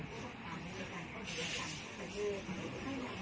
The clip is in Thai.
แม่คะก็ถามว่าจะเอาเรื่องไหมเนี่ย